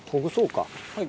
はい。